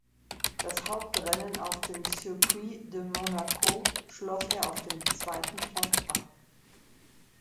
Das Hauptrennen auf dem Circuit de Monaco schloss er auf dem zweiten Platz ab.